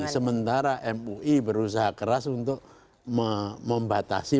sementara mui berusaha keras untuk membatasi